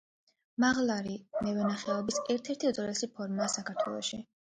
მაღლარი მევენახეობის ერთ-ერთი უძველესი ფორმაა საქართველოში.